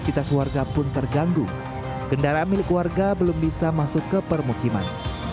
aktivitas warga pun terganggu kendaraan milik warga belum bisa masuk ke permukiman